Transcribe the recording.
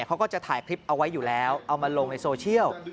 เขาก็จะถ่ายคลิปเอาไว้อยู่แล้วเอามาลงในโซเชียล